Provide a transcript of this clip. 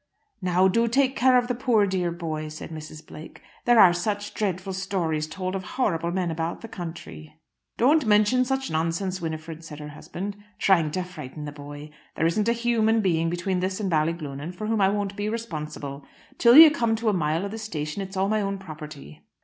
"Now do take care of the poor dear boy," said Mrs. Blake. "There are such dreadful stories told of horrible men about the country." "Don't mention such nonsense, Winifred," said her husband, "trying to frighten the boy. There isn't a human being between this and Ballyglunin for whom I won't be responsible. Till you come to a mile of the station it's all my own property."